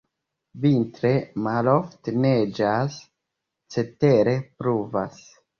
Vintre malofte neĝas, cetere pluvas.